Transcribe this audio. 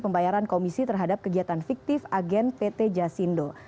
pembayaran komisi terhadap kegiatan fiktif agen pt jasindo